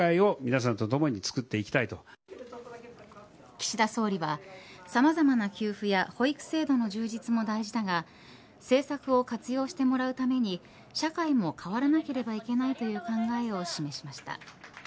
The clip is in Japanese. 岸田総理はさまざまな給付や保育制度の充実も大事だが政策を活用してもらうために社会も変わらなければいけないという考えを示しました。